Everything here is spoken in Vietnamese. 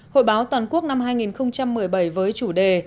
hội báo toàn quốc năm hai nghìn một mươi bảy với chủ đề